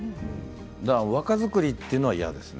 若作りというのは嫌ですね。